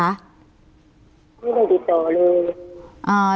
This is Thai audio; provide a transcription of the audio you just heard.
ไม่ได้ติดต่อเลย